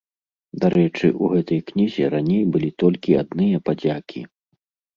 Дарэчы, у гэтай кнізе раней былі толькі адныя падзякі.